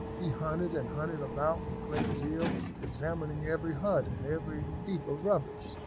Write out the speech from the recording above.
They hunted and hunted about with great zeal, examining every hut and every heap of rubbish.